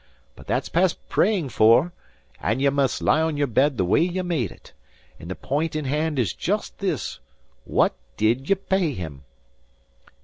But that's past praying for; and ye must lie on your bed the way ye made it. And the point in hand is just this: what did ye pay him?"